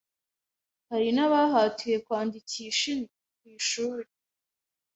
hari n’abahatiwe kwandikisha indyo ku ishuri.